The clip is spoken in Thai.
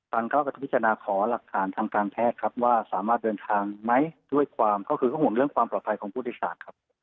ทางเขาก็จะพิจารณาขอหลักฐานทางการแพทย์ครับว่าสามารถเดินทางไหมด้วยความก็คือก็ห่วงเรื่องความปลอดภัยของผู้โดยสารครับ